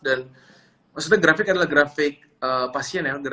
dan maksudnya grafik adalah grafik pasien ya